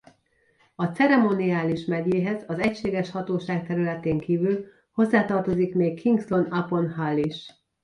A ceremoniális megyéhez az egységes hatóság területén kívül hozzátartozik még Kingston upon Hull is.